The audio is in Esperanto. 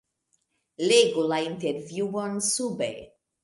Legu la intervjuon sube.